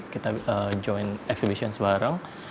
kita join exhibition sebarang